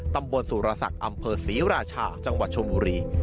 ตำบลสุรศักดิ์อำเภอศรีราชาจังหวัดชมบุรี